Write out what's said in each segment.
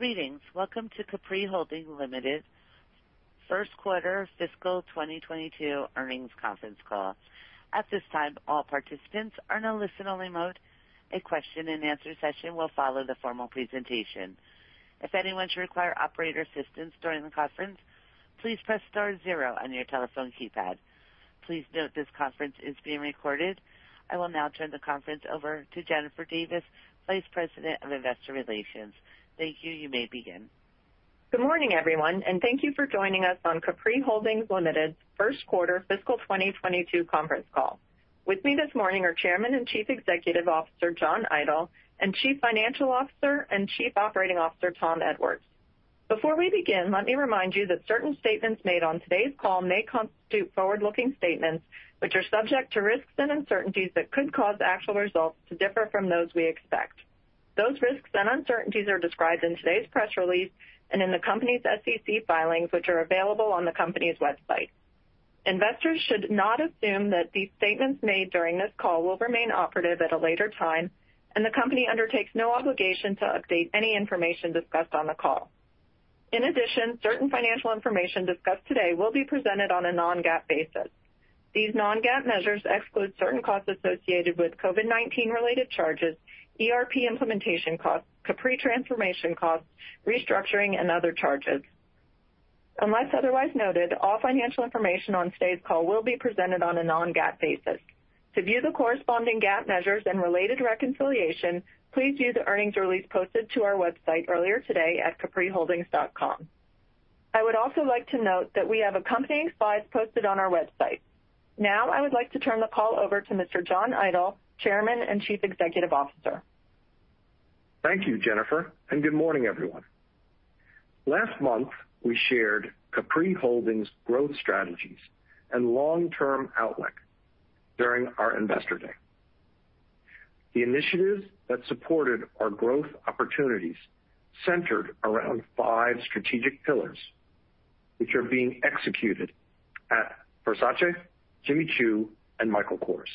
Greetings. Welcome to Capri Holdings Limited First Quarter Fiscal 2022 Earnings Conference Call. At this time all participants are on listen only mode. A question and answer session will follow the formal presentation. If anyone should require operators assistance during the conference call, please press star zero on your telephone keypad. Please note that this conference is being recorded. I will now turn the conference over to Jennifer Davis, Vice President of Investor Relations. Thank you. You may begin. Good morning, everyone, and thank you for joining us on Capri Holdings Limited first quarter fiscal 2022 conference call. With me this morning are Chairman and Chief Executive Officer, John Idol, and Chief Financial Officer and Chief Operating Officer, Tom Edwards. Before we begin, let me remind you that certain statements made on today's call may constitute forward-looking statements, which are subject to risks and uncertainties that could cause actual results to differ from those we expect. Those risks and uncertainties are described in today's press release and in the company's SEC filings, which are available on the company's website. Investors should not assume that these statements made during this call will remain operative at a later time, and the company undertakes no obligation to update any information discussed on the call. In addition, certain financial information discussed today will be presented on a non-GAAP basis. These non-GAAP measures exclude certain costs associated with COVID-19 related charges, ERP implementation costs, Capri transformation costs, restructuring, and other charges. Unless otherwise noted, all financial information on today's call will be presented on a non-GAAP basis. To view the corresponding GAAP measures and related reconciliation, please view the earnings release posted to our website earlier today at capriholdings.com. I would also like to note that we have accompanying slides posted on our website. I would like to turn the call over to Mr. John Idol, Chairman and Chief Executive Officer. Thank you, Jennifer. Good morning, everyone. Last month, we shared Capri Holdings' growth strategies and long-term outlook during our Investor Day. The initiatives that supported our growth opportunities centered around five strategic pillars, which are being executed at Versace, Jimmy Choo, and Michael Kors.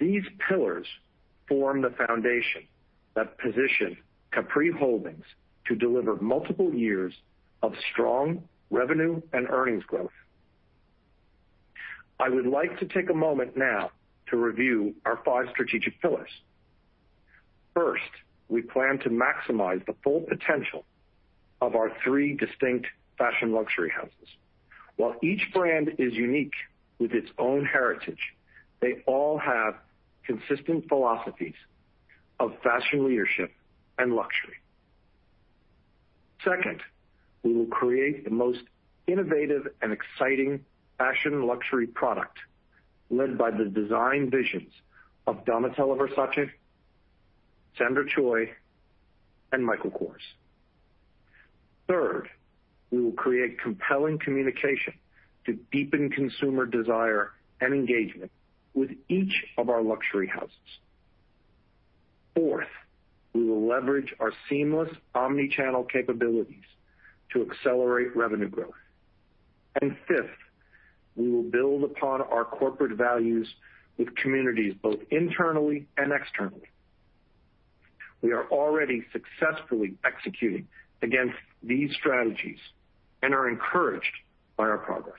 These pillars form the foundation that position Capri Holdings to deliver multiple years of strong revenue and earnings growth. I would like to take a moment now to review our five strategic pillars. First, we plan to maximize the full potential of our three distinct fashion luxury houses. While each brand is unique with its own heritage, they all have consistent philosophies of fashion leadership and luxury. Second, we will create the most innovative and exciting fashion luxury product led by the design visions of Donatella Versace, Sandra Choi, and Michael Kors. Third, we will create compelling communication to deepen consumer desire and engagement with each of our luxury houses. Fourth, we will leverage our seamless omni-channel capabilities to accelerate revenue growth. Fifth, we will build upon our corporate values with communities, both internally and externally. We are already successfully executing against these strategies and are encouraged by our progress.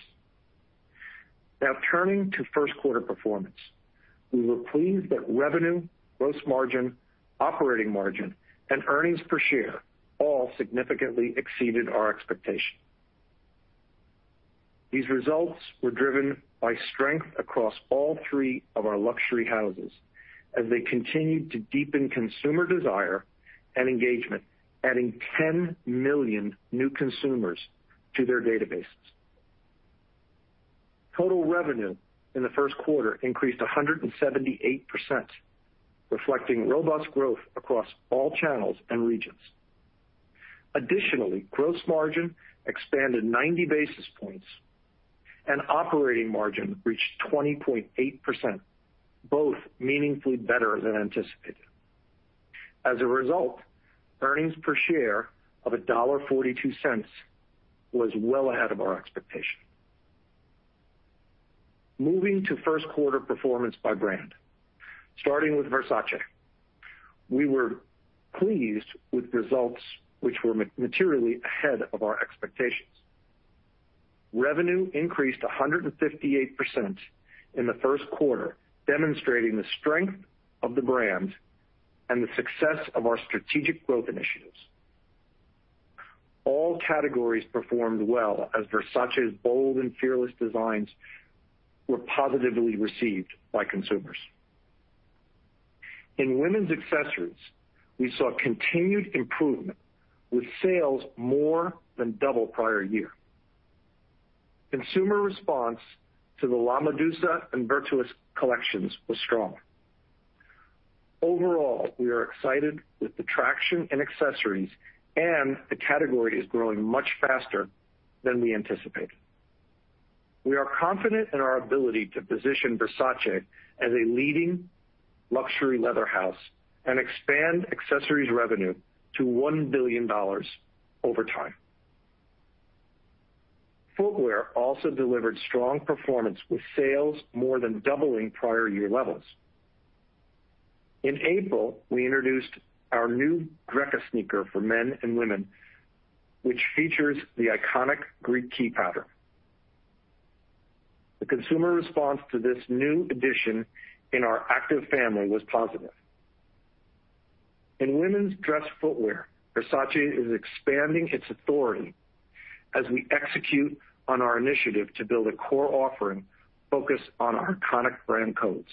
Now, turning to first quarter performance. We were pleased that revenue, gross margin, operating margin, and EPS all significantly exceeded our expectation. These results were driven by strength across all three of our luxury houses as they continued to deepen consumer desire and engagement, adding 10 million new consumers to their databases. Total revenue in the first quarter increased 178%, reflecting robust growth across all channels and regions. Additionally, gross margin expanded 90 basis points, and operating margin reached 20.8%, both meaningfully better than anticipated. As a result, earnings per share of $1.42 was well ahead of our expectation. Moving to first quarter performance by brand. Starting with Versace. We were pleased with results which were materially ahead of our expectations. Revenue increased 158% in the first quarter, demonstrating the strength of the brand and the success of our strategic growth initiatives. All categories performed well as Versace's bold and fearless designs were positively received by consumers. In women's accessories, we saw continued improvement with sales more than double prior year. Consumer response to the La Medusa and Virtus collections was strong. Overall, we are excited with the traction in accessories, and the category is growing much faster than we anticipated. We are confident in our ability to position Versace as a leading luxury leather house and expand accessories revenue to $1 billion over time. Footwear also delivered strong performance with sales more than doubling prior year levels. In April, we introduced our new Greca sneaker for men and women, which features the iconic Greek key pattern. The consumer response to this new addition in our active family was positive. In women's dress footwear, Versace is expanding its authority as we execute on our initiative to build a core offering focused on our iconic brand codes.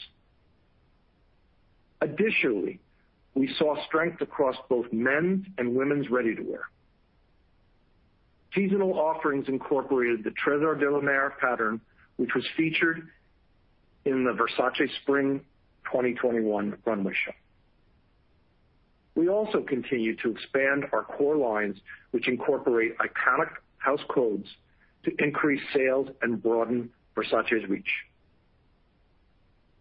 Additionally, we saw strength across both men's and women's ready-to-wear. Seasonal offerings incorporated the Trésor de la Mer pattern, which was featured in the Versace Spring 2021 runway show. We also continue to expand our core lines, which incorporate iconic house codes to increase sales and broaden Versace's reach.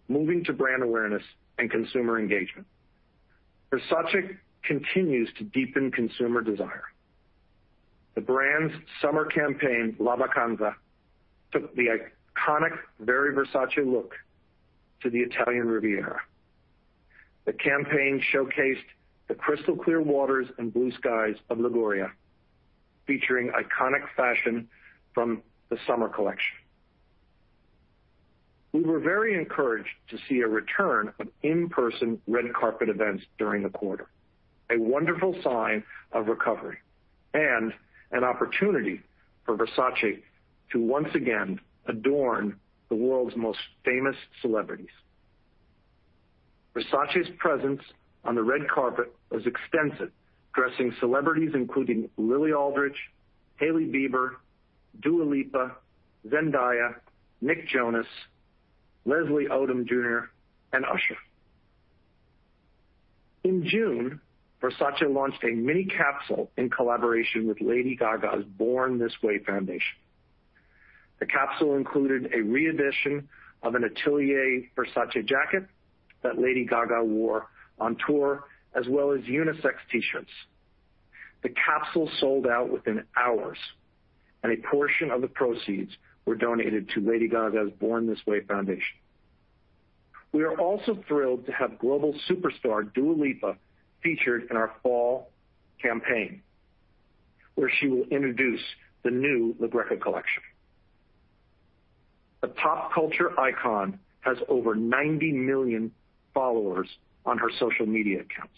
Moving to brand awareness and consumer engagement. Versace continues to deepen consumer desire. The brand's summer campaign, La Vacanza, took the iconic Very Versace look to the Italian Riviera. The campaign showcased the crystal clear waters and blue skies of Liguria, featuring iconic fashion from the summer collection. We were very encouraged to see a return of in-person red carpet events during the quarter. A wonderful sign of recovery and an opportunity for Versace to once again adorn the world's most famous celebrities. Versace's presence on the red carpet was extensive, dressing celebrities including Lily Aldridge, Hailey Bieber, Dua Lipa, Zendaya, Nick Jonas, Leslie Odom Jr., and Usher. In June, Versace launched a mini capsule in collaboration with Lady Gaga's Born This Way Foundation. The capsule included a re-edition of an Atelier Versace jacket that Lady Gaga wore on tour, as well as unisex T-shirts. The capsule sold out within hours, a portion of the proceeds were donated to Lady Gaga's Born This Way Foundation. We are also thrilled to have global superstar Dua Lipa featured in our fall campaign, where she will introduce the new La Greca collection. The pop culture icon has over 90 million followers on her social media accounts.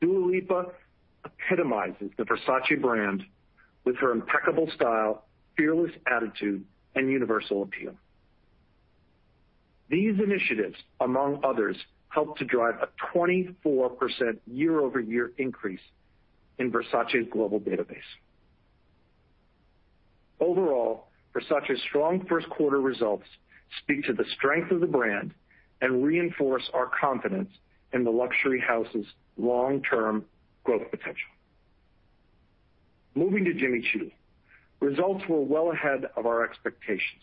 Dua Lipa epitomizes the Versace brand with her impeccable style, fearless attitude, and universal appeal. These initiatives, among others, helped to drive a 24% year-over-year increase in Versace's global database. Overall, Versace's strong first quarter results speak to the strength of the brand and reinforce our confidence in the luxury house's long-term growth potential. Moving to Jimmy Choo. Results were well ahead of our expectations,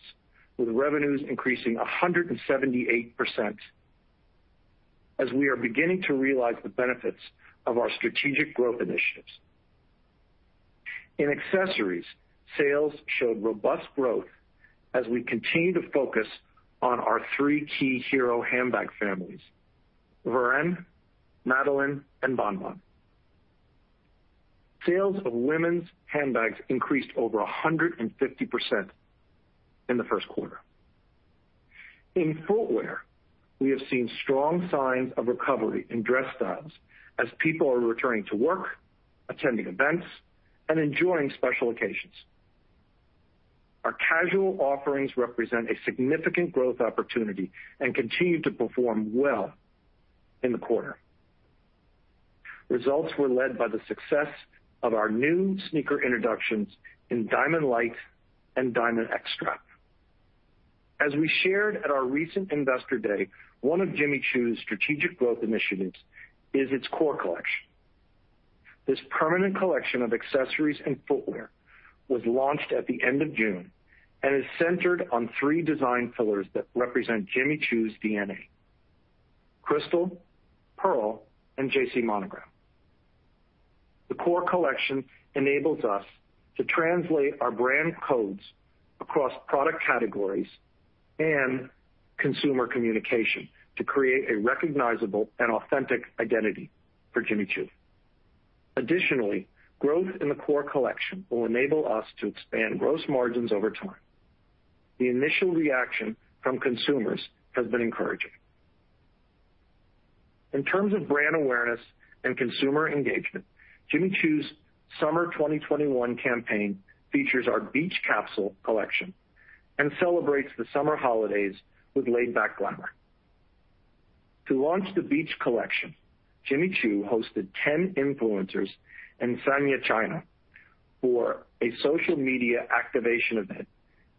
with revenues increasing 178% as we are beginning to realize the benefits of our strategic growth initiatives. In accessories, sales showed robust growth as we continue to focus on our three key hero handbag families, Varenne, Madeline, and Bon Bon. Sales of women's handbags increased over 150% in the first quarter. In footwear, we have seen strong signs of recovery in dress styles as people are returning to work, attending events, and enjoying special occasions. Our casual offerings represent a significant growth opportunity and continue to perform well in the quarter. Results were led by the success of our new sneaker introductions in Diamond Light and Diamond X Strap. As we shared at our recent Investor Day, one of Jimmy Choo's strategic growth initiatives is its core collection. This permanent collection of accessories and footwear was launched at the end of June and is centered on three design pillars that represent Jimmy Choo's DNA: crystal, pearl, and JC Monogram. The core collection enables us to translate our brand codes across product categories and consumer communication to create a recognizable and authentic identity for Jimmy Choo. Additionally, growth in the core collection will enable us to expand gross margins over time. The initial reaction from consumers has been encouraging. In terms of brand awareness and consumer engagement, Jimmy Choo's Summer 2021 campaign features our Beach Capsule Collection and celebrates the summer holidays with laid-back glamour. To launch the Beach Collection, Jimmy Choo hosted 10 influencers in Sanya, China, for a social media activation event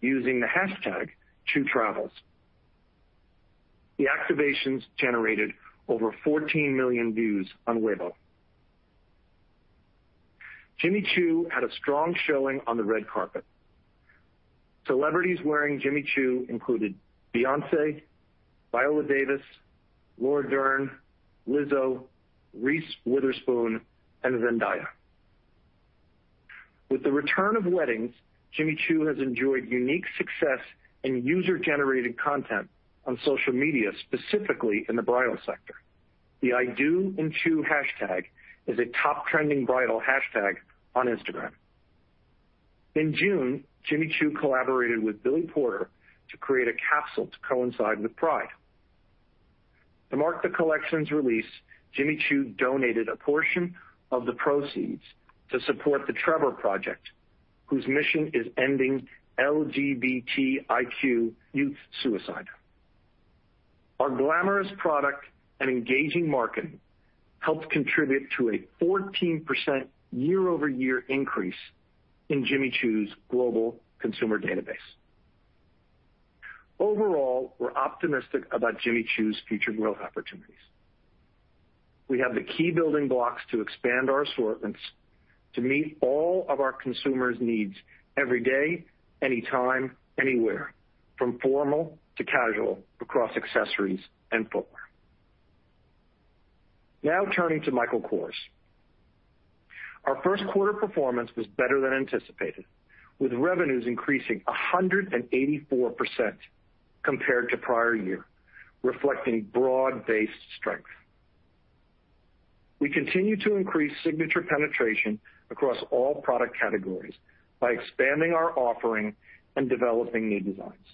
using the hashtag ChooTravels. The activations generated over 14 million views on Weibo. Jimmy Choo had a strong showing on the red carpet. Celebrities wearing Jimmy Choo included Beyoncé, Viola Davis, Laura Dern, Lizzo, Reese Witherspoon, and Zendaya. With the return of weddings, Jimmy Choo has enjoyed unique success in user-generated content on social media, specifically in the bridal sector. The #IDOINCHOO hashtag is a top trending bridal hashtag on Instagram. In June, Jimmy Choo collaborated with Billy Porter to create a capsule to coincide with Pride. To mark the collection's release, Jimmy Choo donated a portion of the proceeds to support The Trevor Project, whose mission is ending LGBTIQ youth suicide. Our glamorous product and engaging marketing helped contribute to a 14% year-over-year increase in Jimmy Choo's global consumer database. Overall, we're optimistic about Jimmy Choo's future growth opportunities. We have the key building blocks to expand our assortments to meet all of our consumers' needs every day, anytime, anywhere, from formal to casual, across accessories and footwear. Turning to Michael Kors. Our first quarter performance was better than anticipated, with revenues increasing 184% compared to prior year, reflecting broad-based strength. We continue to increase signature penetration across all product categories by expanding our offering and developing new designs.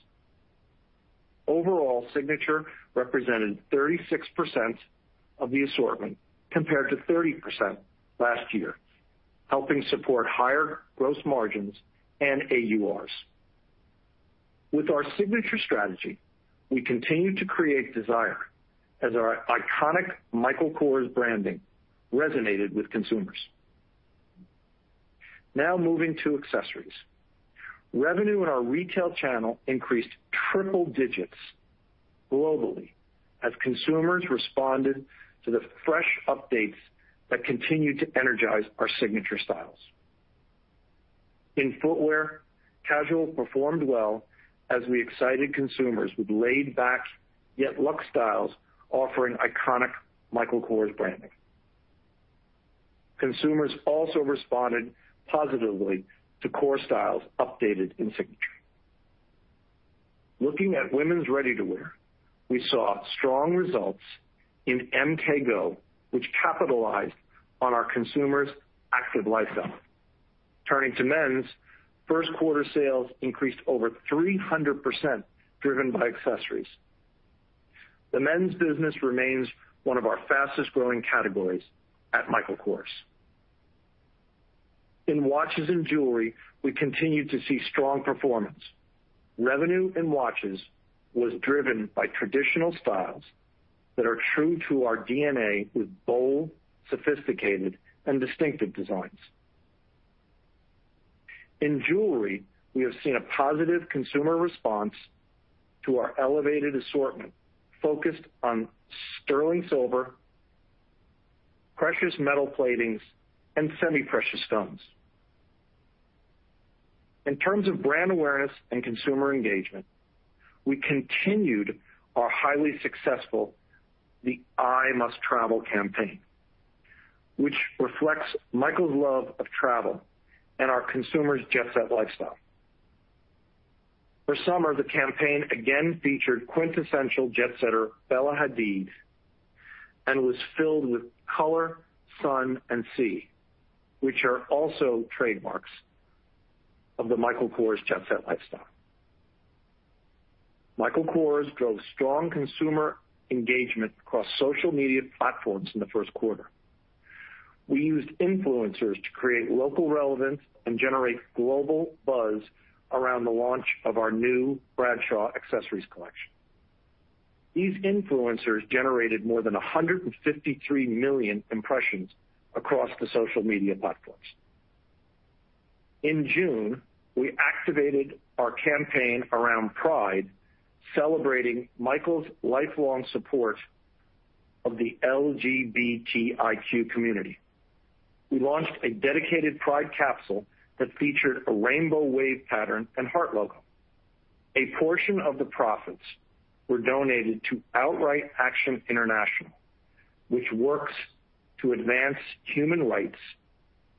Overall, signature represented 36% of the assortment, compared to 30% last year, helping support higher gross margins and AURs. With our signature strategy, we continue to create desire as our iconic Michael Kors branding resonated with consumers. Moving to accessories. Revenue in our retail channel increased triple digits globally as consumers responded to the fresh updates that continue to energize our signature styles. In footwear, casual performed well as we excited consumers with laid-back, yet luxe styles offering iconic Michael Kors branding. Consumers also responded positively to core styles updated in signature. Looking at women's ready-to-wear, we saw strong results in MKGO, which capitalized on our consumers' active lifestyle. Turning to men's, first quarter sales increased over 300%, driven by accessories. The men's business remains one of our fastest-growing categories at Michael Kors. In watches and jewelry, we continue to see strong performance. Revenue in watches was driven by traditional styles that are true to our DNA with bold, sophisticated, and distinctive designs. In jewelry, we have seen a positive consumer response to our elevated assortment focused on sterling silver, precious metal platings, and semi-precious stones. In terms of brand awareness and consumer engagement, we continued our highly successful The Eye Must Travel campaign, which reflects Michael's love of travel and our consumers' jet-set lifestyle. For summer, the campaign again featured quintessential jet-setter Bella Hadid and was filled with color, sun, and sea, which are also trademarks of the Michael Kors jet-set lifestyle. Michael Kors drove strong consumer engagement across social media platforms in the first quarter. We used influencers to create local relevance and generate global buzz around the launch of our new Bradshaw accessories collection. These influencers generated more than 153 million impressions across the social media platforms. In June, we activated our campaign around Pride, celebrating Michael Kors's lifelong support of the LGBTIQ community. We launched a dedicated Pride capsule that featured a rainbow wave pattern and heart logo. A portion of the profits were donated to OutRight Action International, which works to advance human rights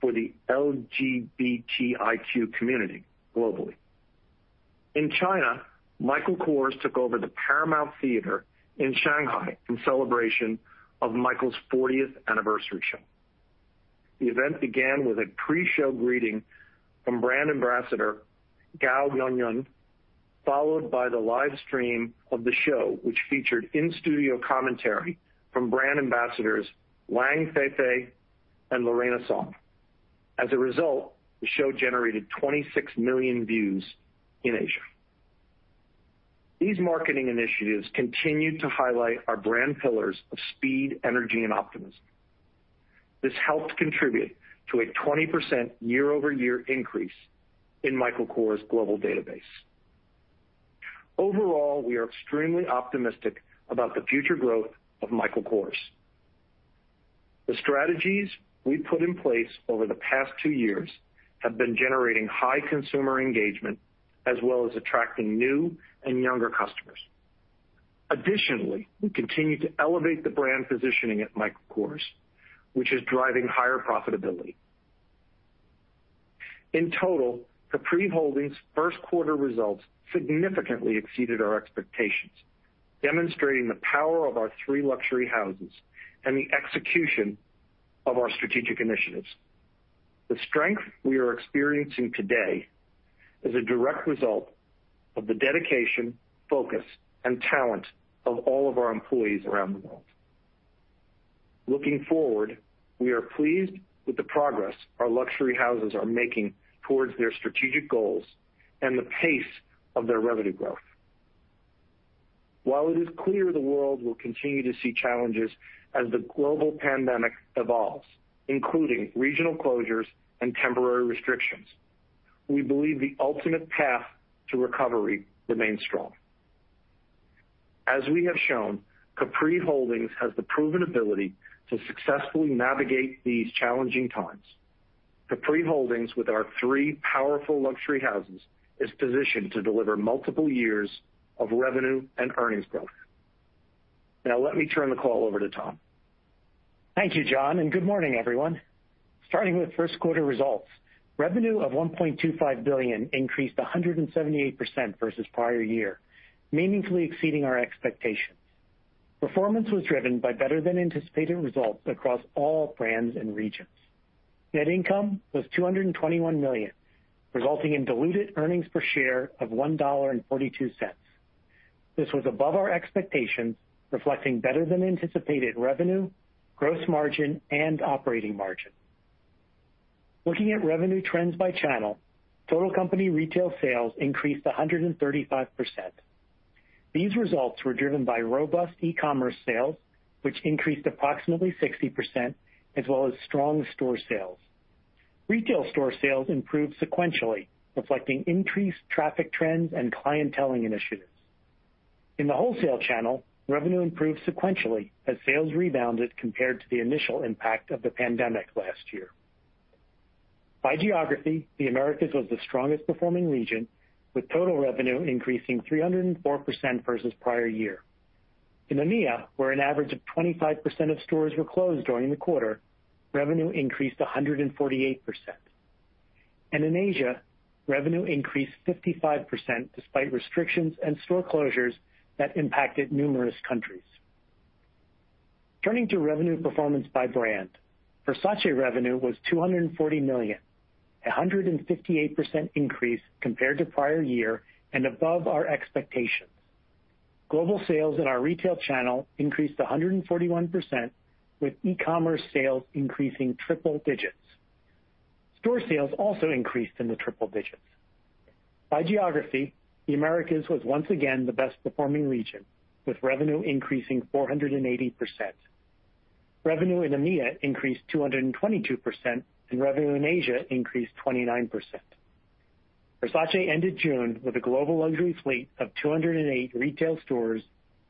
for the LGBTIQ community globally. In China, Michael Kors took over the Paramount Theater in Shanghai in celebration of Michael Kors's 40th anniversary show. The event began with a pre-show greeting from brand ambassador Gao Yuanyuan, followed by the live stream of the show, which featured in-studio commentary from brand ambassadors Wang Feifei and Song Yanfei. As a result, the show generated 26 million views in Asia. These marketing initiatives continue to highlight our brand pillars of speed, energy, and optimism. This helped contribute to a 20% year-over-year increase in Michael Kors' global database. Overall, we are extremely optimistic about the future growth of Michael Kors. The strategies we put in place over the past two years have been generating high consumer engagement, as well as attracting new and younger customers. Additionally, we continue to elevate the brand positioning at Michael Kors, which is driving higher profitability. In total, Capri Holdings' first quarter results significantly exceeded our expectations, demonstrating the power of our three luxury houses and the execution of our strategic initiatives. The strength we are experiencing today is a direct result of the dedication, focus, and talent of all of our employees around the world. Looking forward, we are pleased with the progress our luxury houses are making towards their strategic goals and the pace of their revenue growth. While it is clear the world will continue to see challenges as the global pandemic evolves, including regional closures and temporary restrictions, we believe the ultimate path to recovery remains strong. As we have shown, Capri Holdings has the proven ability to successfully navigate these challenging times. Capri Holdings, with our three powerful luxury houses, is positioned to deliver multiple years of revenue and earnings growth. Now, let me turn the call over to Tom. Thank you, John, and good morning, everyone. Starting with first quarter results, revenue of $1.25 billion increased 178% versus prior year, meaningfully exceeding our expectations. Performance was driven by better than anticipated results across all brands and regions. Net income was $221 million, resulting in diluted earnings per share of $1.42. This was above our expectations, reflecting better than anticipated revenue, gross margin, and operating margin. Looking at revenue trends by channel, total company retail sales increased 135%. These results were driven by robust e-commerce sales, which increased approximately 60%, as well as strong store sales. Retail store sales improved sequentially, reflecting increased traffic trends and clienteling initiatives. In the wholesale channel, revenue improved sequentially as sales rebounded compared to the initial impact of the pandemic last year. By geography, the Americas was the strongest performing region, with total revenue increasing 304% versus prior year. In EMEA, where an average of 25% of stores were closed during the quarter, revenue increased 148%. In Asia, revenue increased 55%, despite restrictions and store closures that impacted numerous countries. Turning to revenue performance by brand. Versace revenue was $240 million, a 158% increase compared to prior year and above our expectations. Global sales in our retail channel increased 141%, with e-commerce sales increasing triple digits. Store sales also increased in the triple digits. By geography, the Americas was once again the best performing region, with revenue increasing 480%. Revenue in EMEA increased 222%, revenue in Asia increased 29%. Versace ended June with a global luxury fleet of 208 retail stores,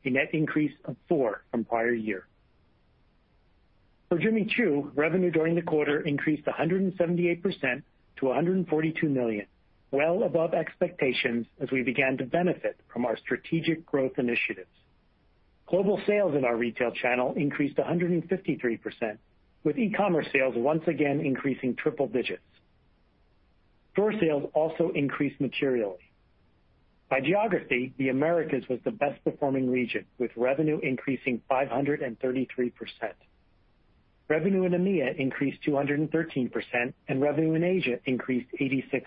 a net increase of four from prior year. For Jimmy Choo, revenue during the quarter increased 178% to $142 million, well above expectations as we began to benefit from our strategic growth initiatives. Global sales in our retail channel increased 153%, with e-commerce sales once again increasing triple digits. Store sales also increased materially. By geography, the Americas was the best performing region, with revenue increasing 533%. Revenue in EMEA increased 213%, and revenue in Asia increased 86%.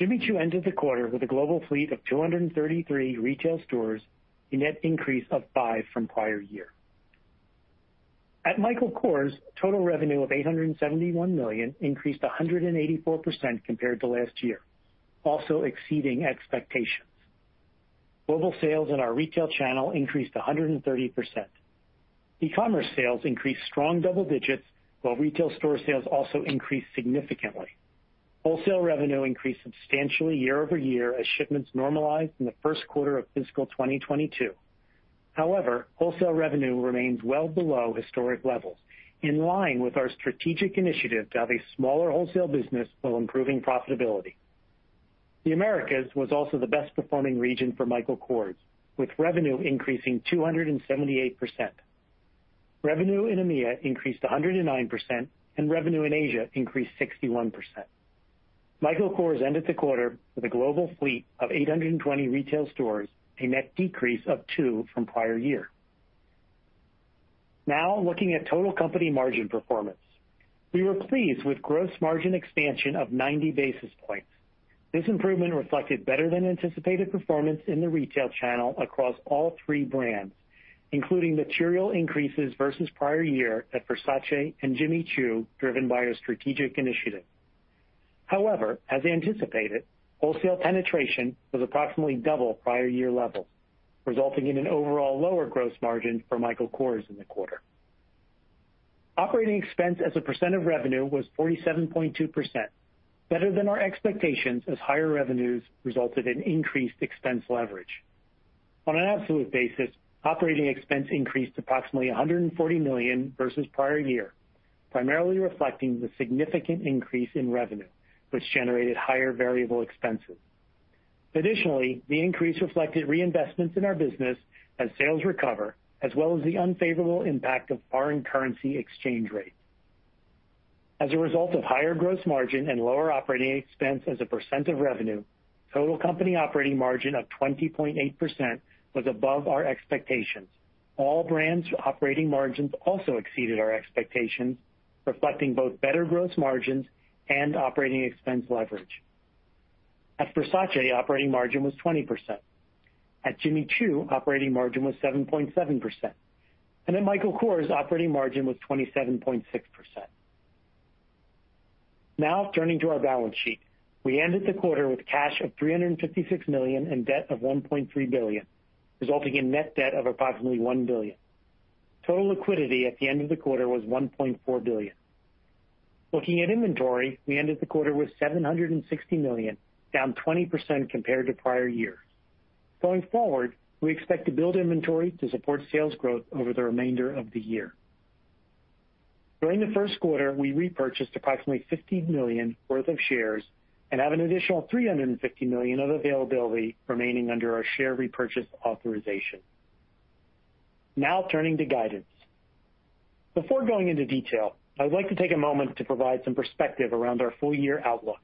Jimmy Choo ended the quarter with a global fleet of 233 retail stores, a net increase of five from prior year. At Michael Kors, total revenue of $871 million increased 184% compared to last year, also exceeding expectations. Global sales in our retail channel increased 130%. E-commerce sales increased strong double digits, while retail store sales also increased significantly. Wholesale revenue increased substantially year-over-year as shipments normalized in the first quarter of fiscal 2022. However, wholesale revenue remains well below historic levels, in line with our strategic initiative to have a smaller wholesale business while improving profitability. The Americas was also the best performing region for Michael Kors, with revenue increasing 278%. Revenue in EMEA increased 109%, and revenue in Asia increased 61%. Michael Kors ended the quarter with a global fleet of 820 retail stores, a net decrease of two from prior year. Looking at total company margin performance. We were pleased with gross margin expansion of 90 basis points. This improvement reflected better than anticipated performance in the retail channel across all three brands, including material increases versus prior year at Versace and Jimmy Choo, driven by our strategic initiatives. As anticipated, wholesale penetration was approximately double prior year levels, resulting in an overall lower gross margin for Michael Kors in the quarter. Operating expense as a percent of revenue was 47.2%, better than our expectations as higher revenues resulted in increased expense leverage. On an absolute basis, operating expense increased approximately $140 million versus prior year, primarily reflecting the significant increase in revenue, which generated higher variable expenses. Additionally, the increase reflected reinvestments in our business as sales recover, as well as the unfavorable impact of foreign currency exchange rates. As a result of higher gross margin and lower operating expense as a percent of revenue, total company operating margin of 20.8% was above our expectations. All brands' operating margins also exceeded our expectations, reflecting both better gross margins and operating expense leverage. At Versace, operating margin was 20%. At Jimmy Choo, operating margin was 7.7%. At Michael Kors, operating margin was 27.6%. Now turning to our balance sheet. We ended the quarter with cash of $356 million and debt of $1.3 billion, resulting in net debt of approximately $1 billion. Total liquidity at the end of the quarter was $1.4 billion. Looking at inventory, we ended the quarter with $760 million, down 20% compared to prior years. Going forward, we expect to build inventory to support sales growth over the remainder of the year. During the first quarter, we repurchased approximately $15 million worth of shares and have an additional $350 million of availability remaining under our share repurchase authorization. Now turning to guidance. Before going into detail, I would like to take a moment to provide some perspective around our full-year outlook.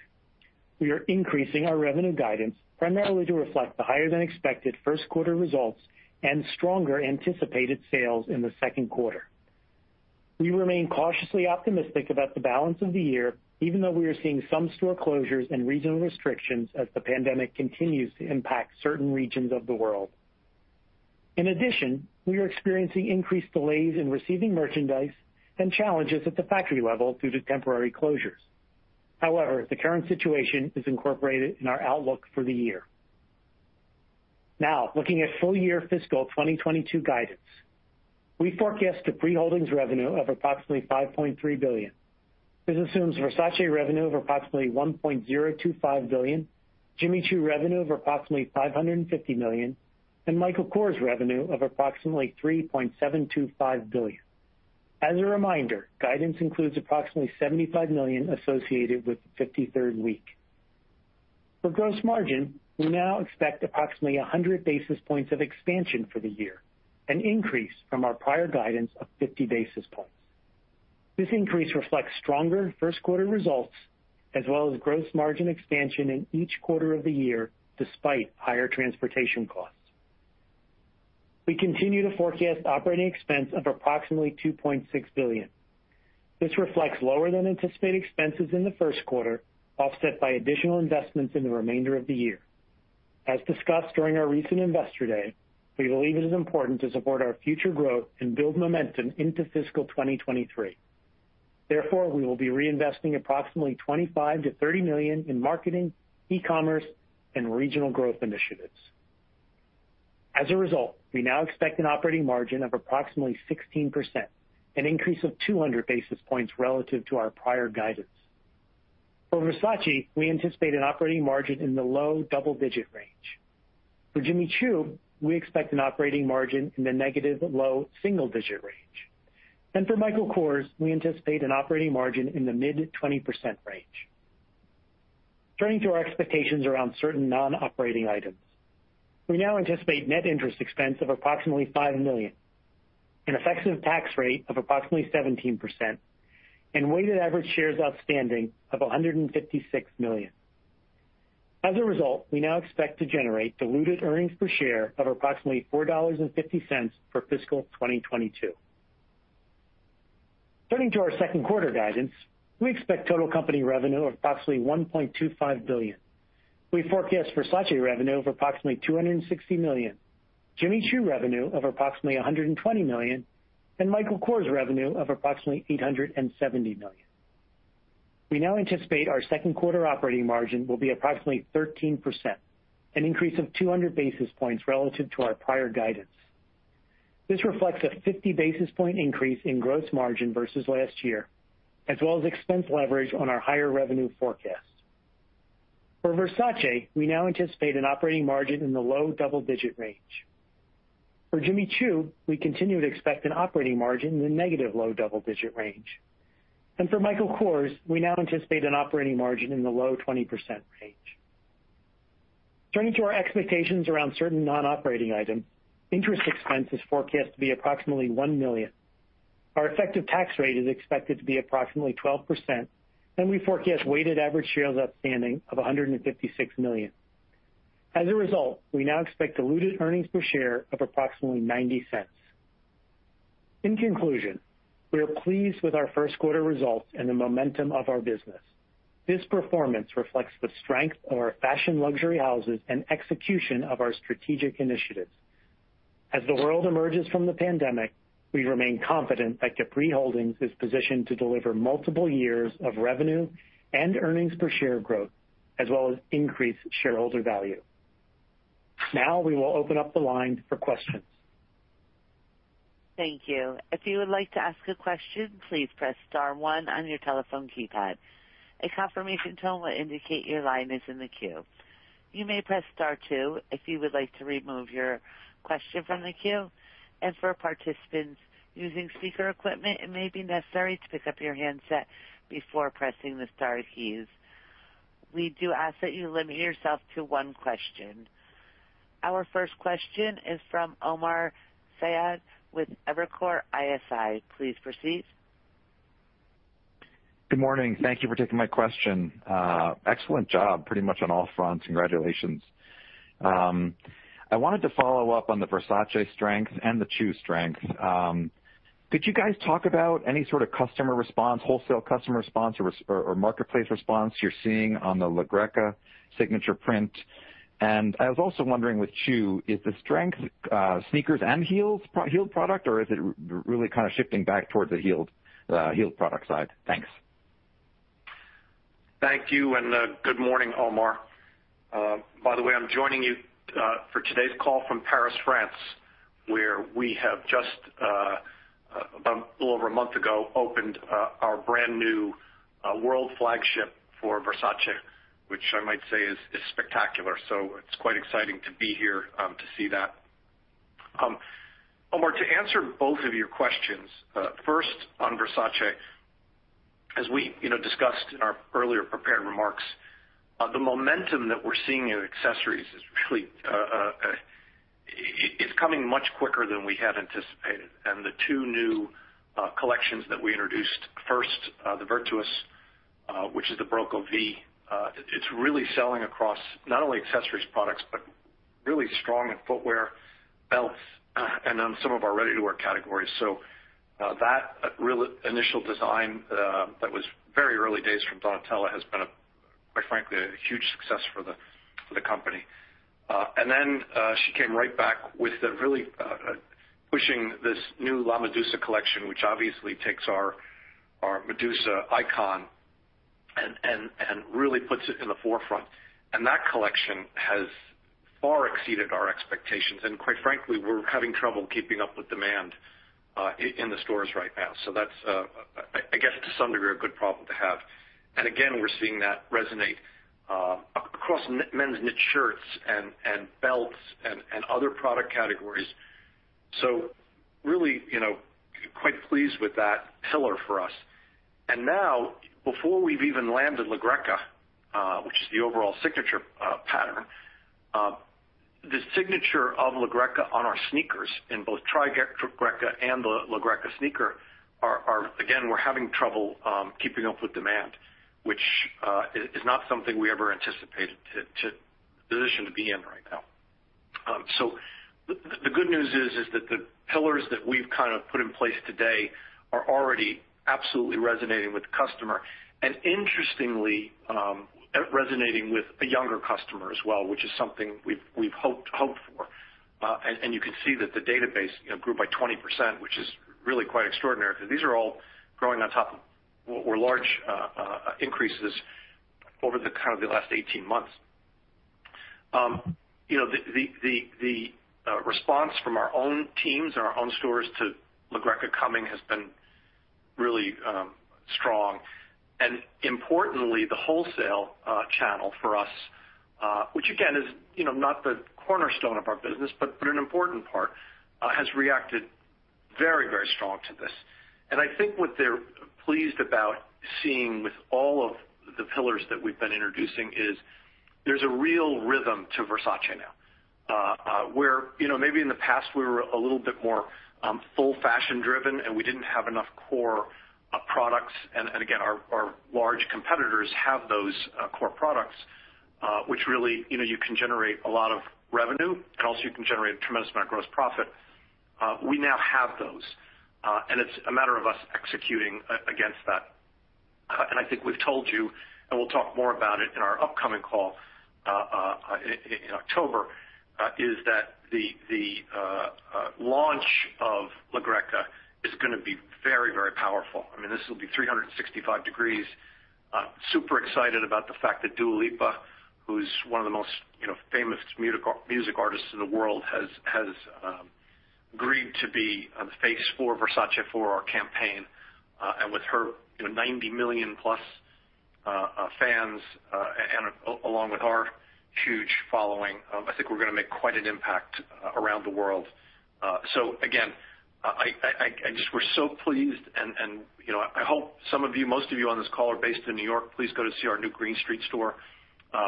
We are increasing our revenue guidance primarily to reflect the higher-than-expected first quarter results and stronger anticipated sales in the second quarter. We remain cautiously optimistic about the balance of the year, even though we are seeing some store closures and regional restrictions as the pandemic continues to impact certain regions of the world. In addition, we are experiencing increased delays in receiving merchandise and challenges at the factory level due to temporary closures. The current situation is incorporated in our outlook for the year. Looking at full-year fiscal 2022 guidance. We forecast a Capri Holdings revenue of approximately $5.3 billion. This assumes Versace revenue of approximately $1.025 billion, Jimmy Choo revenue of approximately $550 million, and Michael Kors revenue of approximately $3.725 billion. As a reminder, guidance includes approximately $75 million associated with the 53rd week. For gross margin, we now expect approximately 100 basis points of expansion for the year, an increase from our prior guidance of 50 basis points. This increase reflects stronger first quarter results, as well as gross margin expansion in each quarter of the year, despite higher transportation costs. We continue to forecast operating expense of approximately $2.6 billion. This reflects lower than anticipated expenses in the first quarter, offset by additional investments in the remainder of the year. As discussed during our recent Investor Day, we believe it is important to support our future growth and build momentum into fiscal 2023. We will be reinvesting approximately $25 million-$30 million in marketing, e-commerce, and regional growth initiatives. We now expect an operating margin of approximately 16%, an increase of 200 basis points relative to our prior guidance. For Versace, we anticipate an operating margin in the low double-digit range. For Jimmy Choo, we expect an operating margin in the negative low single-digit range. For Michael Kors, we anticipate an operating margin in the mid-20% range. Turning to our expectations around certain non-operating items. We now anticipate net interest expense of approximately $5 million, an effective tax rate of approximately 17%, and weighted average shares outstanding of 156 million. As a result, we now expect to generate diluted earnings per share of approximately $4.50 for fiscal 2022. Turning to our second quarter guidance, we expect total company revenue of approximately $1.25 billion. We forecast Versace revenue of approximately $260 million, Jimmy Choo revenue of approximately $120 million, and Michael Kors revenue of approximately $870 million. We now anticipate our second quarter operating margin will be approximately 13%, an increase of 200 basis points relative to our prior guidance. This reflects a 50-basis point increase in gross margin versus last year, as well as expense leverage on our higher revenue forecast. For Versace, we now anticipate an operating margin in the low double-digit range. For Jimmy Choo, we continue to expect an operating margin in the negative low double-digit range. For Michael Kors, we now anticipate an operating margin in the low 20% range. Turning to our expectations around certain non-operating items. Interest expense is forecast to be approximately $1 million. Our effective tax rate is expected to be approximately 12%, and we forecast weighted average shares outstanding of $156 million. As a result, we now expect diluted earnings per share of approximately $0.90. In conclusion, we are pleased with our first quarter results and the momentum of our business. This performance reflects the strength of our fashion luxury houses and execution of our strategic initiatives. As the world emerges from the pandemic, we remain confident that Capri Holdings is positioned to deliver multiple years of revenue and earnings per share growth, as well as increase shareholder value. Now we will open up the line for questions. Thank you. If you would like to ask a question, please press star one on your telephone keypad. A confirmation tone will indicate your line is in the queue. You may press star two if you would like to remove your question from the queue. For participants using speaker equipment, it may be necessary to pick up your handset before pressing the star keys. We do ask that you limit yourself to one question. Our first question is from Omar Saad with Evercore ISI. Please proceed. Good morning. Thank you for taking my question. Excellent job pretty much on all fronts. Congratulations. I wanted to follow up on the Versace strength and the Choo strength. Could you guys talk about any sort of customer response, wholesale customer response, or marketplace response you're seeing on the La Greca signature print? I was also wondering with Choo, is the strength sneakers and heels, heeled product, or is it really kind of shifting back towards the heeled product side? Thanks. Thank you, and good morning, Omar. By the way, I'm joining you for today's call from Paris, France, where we have just, about a little over a month ago, opened our brand-new world flagship for Versace, which I might say is spectacular. It's quite exciting to be here to see that. Omar, to answer both of your questions. First, on Versace, as we discussed in our earlier prepared remarks, the momentum that we're seeing in accessories is coming much quicker than we had anticipated. The two new collections that we introduced, first, the Virtus, which is the Barocco V. It's really selling across not only accessories products, but really strong in footwear, belts, and on some of our ready-to-wear categories. That initial design that was very early days from Donatella has been, quite frankly, a huge success for the company. She came right back with really pushing this new La Medusa collection, which obviously takes our Medusa icon and really puts it in the forefront. That collection has far exceeded our expectations. Quite frankly, we're having trouble keeping up with demand in the stores right now. That's, I guess, to some degree, a good problem to have. Again, we're seeing that resonate across men's knit shirts and belts and other product categories. Really quite pleased with that pillar for us. Now, before we've even landed La Greca, which is the overall signature pattern, the signature of La Greca on our sneakers in both Trigreca and the La Greca sneaker are, again, we're having trouble keeping up with demand, which is not something we ever anticipated to position to be in right now. The good news is that the pillars that we've kind of put in place today are already absolutely resonating with the customer and interestingly, resonating with a younger customer as well, which is something we've hoped for. You can see that the database grew by 20%, which is really quite extraordinary because these are all growing on top of what were large increases over the last 18 months. The response from our own teams and our own stores to La Greca coming has been really strong, and importantly, the wholesale channel for us, which again is not the cornerstone of our business, but an important part, has reacted very strong to this. I think what they're pleased about seeing with all of the pillars that we've been introducing is there's a real rhythm to Versace now, where maybe in the past, we were a little bit more full fashion-driven, and we didn't have enough core products. Again, our large competitors have those core products, which really you can generate a lot of revenue and also you can generate a tremendous amount of gross profit. We now have those, and it's a matter of us executing against that. I think we've told you, and we'll talk more about it in our upcoming call in October, is that the launch of La Greca is going to be very powerful. I mean, this will be 365 degrees. Super excited about the fact that Dua Lipa, who's one of the most famous music artists in the world, has agreed to be the face for Versace for our campaign. With her 90+ million fans, along with our huge following, I think we're going to make quite an impact around the world. Again, we're so pleased, and I hope some of you, most of you on this call are based in New York. Please go to see our new Greene Street store,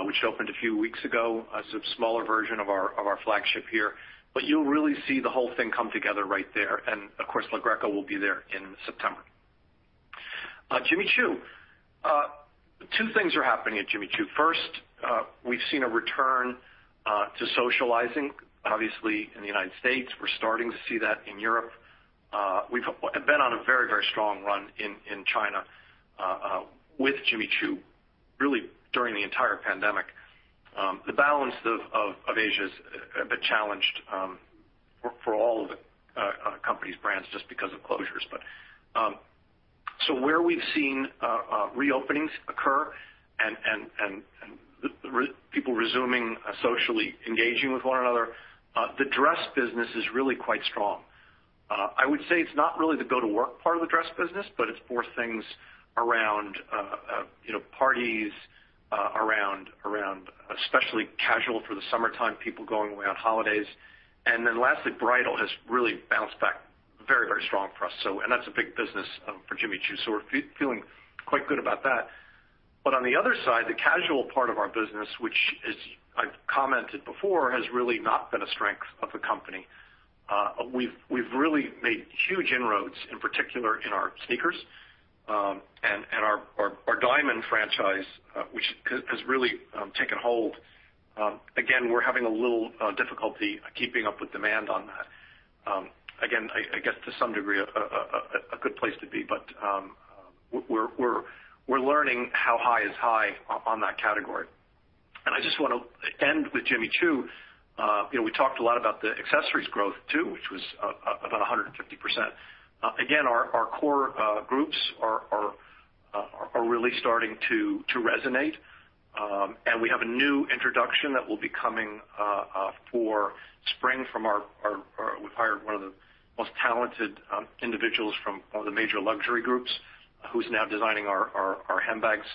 which opened a few weeks ago as a smaller version of our flagship here. You'll really see the whole thing come together right there. Of course, La Greca will be there in September. Jimmy Choo. Two things are happening at Jimmy Choo. First, we've seen a return to socializing, obviously, in the United States. We're starting to see that in Europe. We've been on a very strong run in China with Jimmy Choo, really during the entire pandemic. The balance of Asia is a bit challenged for all of the company's brands just because of closures. Where we've seen reopenings occur and people resuming socially engaging with one another, the dress business is really quite strong. I would say it's not really the go-to-work part of the dress business, but it's more things around parties, around especially casual for the summertime, people going away on holidays. Lastly, bridal has really bounced back very, very strong for us, and that's a big business for Jimmy Choo. We're feeling quite good about that. On the other side, the casual part of our business, which, as I've commented before, has really not been a strength of the company. We've really made huge inroads, in particular in our sneakers. Our Diamond franchise, which has really taken hold. Again, we're having a little difficulty keeping up with demand on that. Again, I guess to some degree, a good place to be. We're learning how high is high on that category. I just want to end with Jimmy Choo. We talked a lot about the accessories growth too, which was about 150%. Again, our core groups are really starting to resonate. We have a new introduction that will be coming for spring. We've hired one of the most talented individuals from one of the major luxury groups, who's now designing our handbags.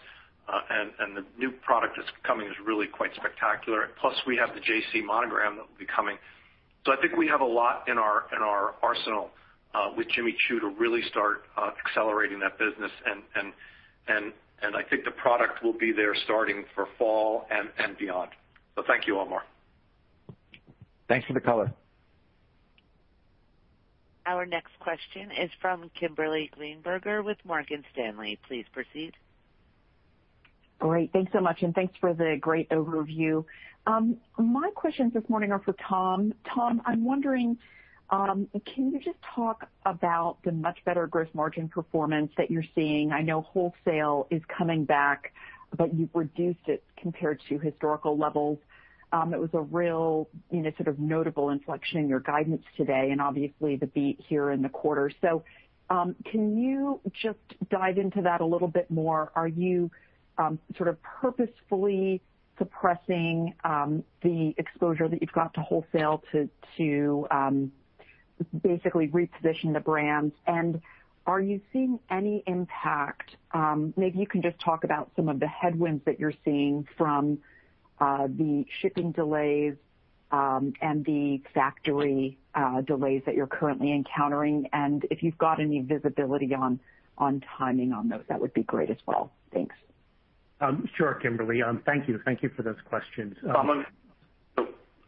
The new product that's coming is really quite spectacular. Plus, we have the JC Monogram that will be coming. I think we have a lot in our arsenal with Jimmy Choo to really start accelerating that business. I think the product will be there starting for fall and beyond. Thank you, Omar. Thanks for the color. Our next question is from Kimberly Greenberger with Morgan Stanley. Please proceed. Great. Thanks so much. Thanks for the great overview. My questions this morning are for Tom. Tom, I'm wondering, can you just talk about the much better gross margin performance that you're seeing? I know wholesale is coming back, you've reduced it compared to historical levels. It was a real notable inflection in your guidance today and obviously the beat here in the quarter. Can you just dive into that a little bit more? Are you purposefully suppressing the exposure that you've got to wholesale to basically reposition the brands? Are you seeing any impact? Maybe you can just talk about some of the headwinds that you're seeing from the shipping delays and the factory delays that you're currently encountering, and if you've got any visibility on timing on those, that would be great as well. Thanks. Sure, Kimberly. Thank you. Thank you for those questions.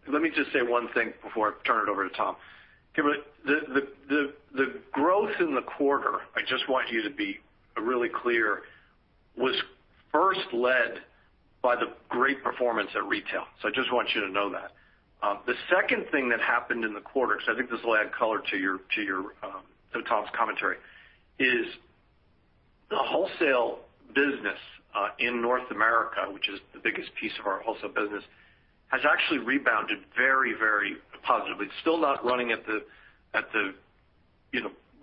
Let me just say one thing before I turn it over to Tom. Kimberly, the growth in the quarter, I just want you to be really clear, was first led by the great performance at retail. I just want you to know that. The second thing that happened in the quarter, because I think this will add color to Tom's commentary, is the wholesale business in North America, which is the biggest piece of our wholesale business, has actually rebounded very, very positively. It's still not running at the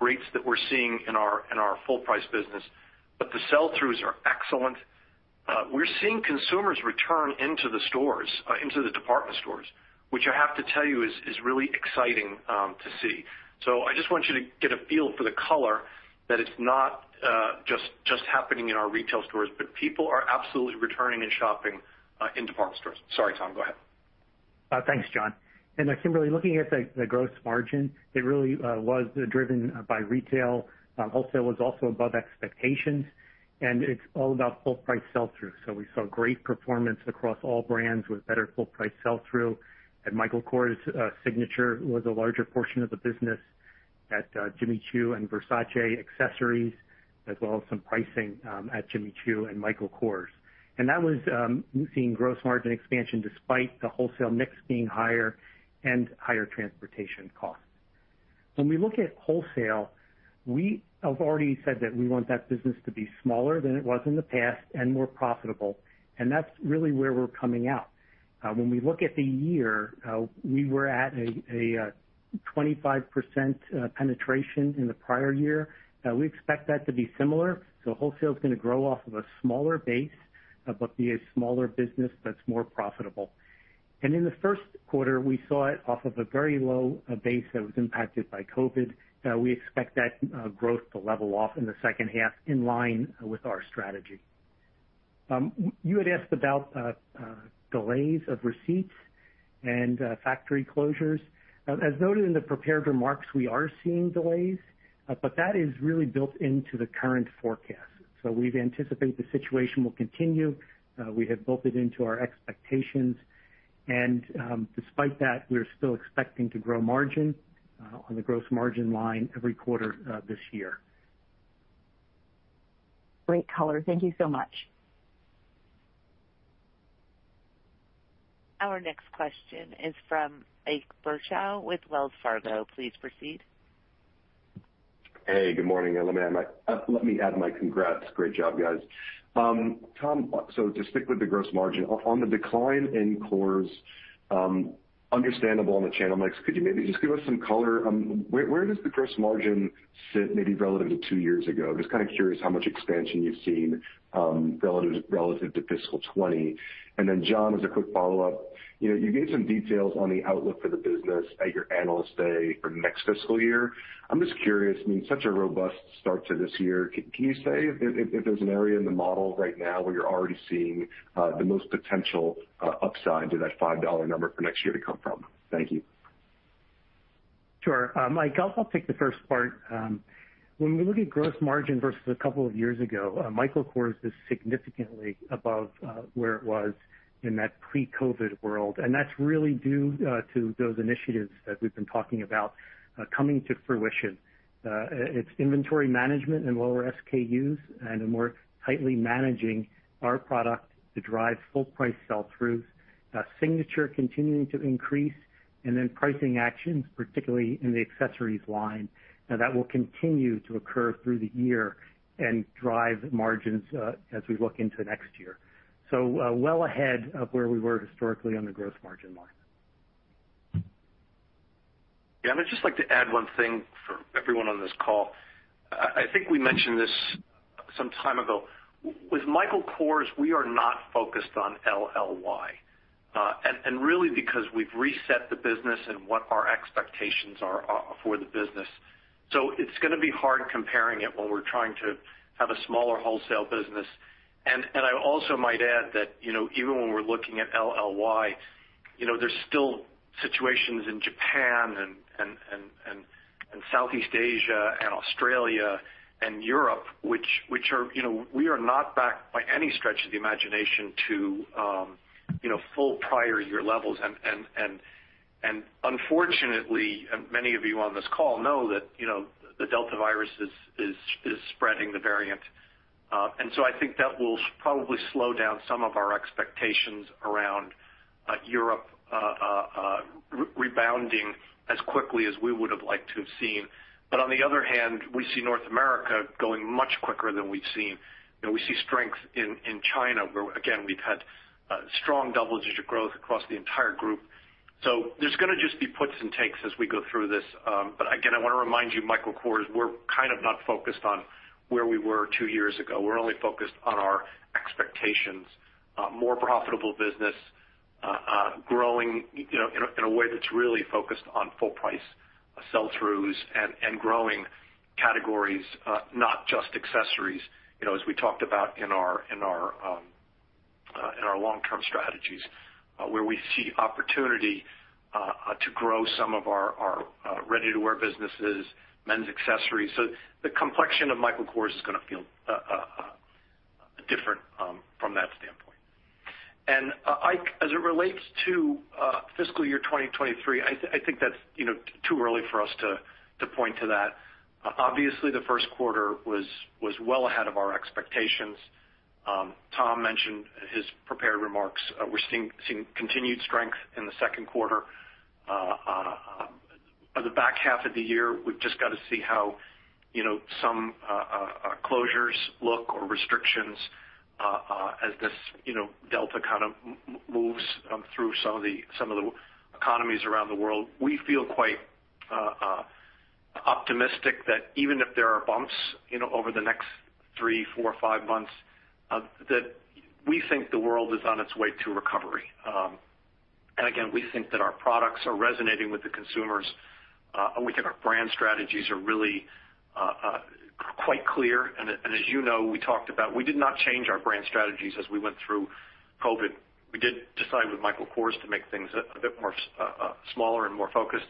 rates that we're seeing in our full-price business, but the sell-throughs are excellent. We're seeing consumers return into the stores, into the department stores, which I have to tell you is really exciting to see. I just want you to get a feel for the color that it's not just happening in our retail stores, but people are absolutely returning and shopping in department stores. Sorry, Tom, go ahead. Thanks, John. Kimberly, looking at the gross margin, it really was driven by retail. Wholesale was also above expectations, it's all about full price sell-through. We saw great performance across all brands with better full price sell-through. At Michael Kors, Signature was a larger portion of the business. At Jimmy Choo and Versace, accessories, as well as some pricing at Jimmy Choo and Michael Kors. That was seeing gross margin expansion despite the wholesale mix being higher and higher transportation costs. When we look at wholesale, we have already said that we want that business to be smaller than it was in the past and more profitable, that's really where we're coming out. When we look at the year, we were at a 25% penetration in the prior year. We expect that to be similar. Wholesale is going to grow off of a smaller base, but be a smaller business that's more profitable. In the first quarter, we saw it off of a very low base that was impacted by COVID. We expect that growth to level off in the second half in line with our strategy. You had asked about delays of receipts and factory closures. As noted in the prepared remarks, we are seeing delays. That is really built into the current forecast. We've anticipated the situation will continue. We have built it into our expectations. Despite that, we are still expecting to grow margin on the gross margin line every quarter this year. Great color. Thank you so much. Our next question is from Ike Boruchow with Wells Fargo. Please proceed. Hey, good morning, everyone. Let me add my congrats. Great job, guys. Tom, to stick with the gross margin, on the decline in Kors, understandable on the channel mix. Could you maybe just give us some color? Where does the gross margin sit maybe relative to two years ago? Just curious how much expansion you've seen relative to fiscal 2020. John, as a quick follow-up. You gave some details on the outlook for the business at your Analyst Day for next fiscal year. I'm just curious, such a robust start to this year. Can you say if there's an area in the model right now where you're already seeing the most potential upside to that $5 number for next year to come from? Thank you. Sure. Ike, I'll take the first part. When we look at gross margin versus a couple of years ago, Michael Kors is significantly above where it was in that pre-COVID world, and that's really due to those initiatives that we've been talking about coming to fruition. It's inventory management and lower SKUs and more tightly managing our product to drive full price sell-throughs. Signature continuing to increase, pricing actions, particularly in the accessories line. That will continue to occur through the year and drive margins as we look into next year. Well ahead of where we were historically on the gross margin line. Yeah, I'd just like to add one thing for everyone on this call. I think we mentioned this some time ago. With Michael Kors, we are not focused on LLY, and really because we've reset the business and what our expectations are for the business. It's going to be hard comparing it when we're trying to have a smaller wholesale business. I also might add that even when we're looking at LLY, there's still situations in Japan and Southeast Asia and Australia and Europe. We are not back, by any stretch of the imagination, to full prior year levels. Unfortunately, many of you on this call know that the Delta variant is spreading, the variant. I think that will probably slow down some of our expectations around Europe rebounding as quickly as we would have liked to have seen. On the other hand, we see North America going much quicker than we've seen. We see strength in China, where again, we've had strong double-digit growth across the entire group. There's going to just be puts and takes as we go through this. Again, I want to remind you, Michael Kors, we're not focused on where we were two years ago. We're only focused on our expectations. More profitable business growing in a way that's really focused on full price sell-throughs and growing categories, not just accessories. As we talked about in our long-term strategies, where we see opportunity to grow some of our ready-to-wear businesses, men's accessories. The complexion of Michael Kors is going to feel different from that standpoint. Ike, as it relates to fiscal year 2023, I think that's too early for us to point to that. Obviously, the first quarter was well ahead of our expectations. Tom mentioned in his prepared remarks, we're seeing continued strength in the second quarter. The back half of the year, we've just got to see how some closures look or restrictions as this Delta moves through some of the economies around the world. We feel quite optimistic that even if there are bumps over the next 3, 4, 5 months, that we think the world is on its way to recovery. Again, we think that our products are resonating with the consumers. We think our brand strategies are really quite clear. As you know, we talked about, we did not change our brand strategies as we went through COVID. We did decide with Michael Kors to make things a bit more smaller and more focused.